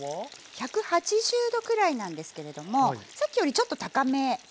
１８０℃くらいなんですけれどもさっきよりちょっと高めですね。